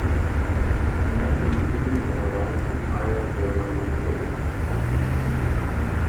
The method is easily generalized to higher order equations.